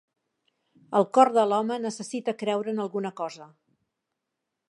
El cor de l'home necessita creure en alguna cosa.